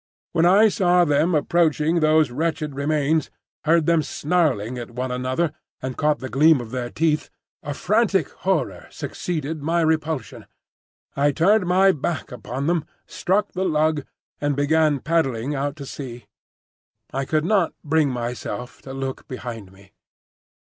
When I saw them approaching those wretched remains, heard them snarling at one another and caught the gleam of their teeth, a frantic horror succeeded my repulsion. I turned my back upon them, struck the lug and began paddling out to sea. I could not bring myself to look behind me.